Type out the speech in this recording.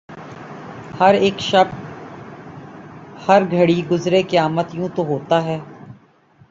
ہر اک شب ہر گھڑی گزرے قیامت یوں تو ہوتا ہے